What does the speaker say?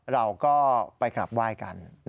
เราก็ไปขับว่ายกัน